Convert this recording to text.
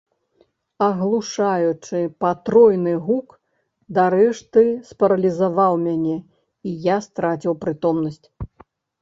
Аглушаючы патройны гук дарэшты спаралізаваў мяне, і я страціў прытомнасць.